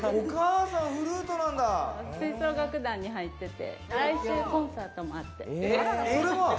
私、吹奏楽団に入ってて、来週コンサートもあって。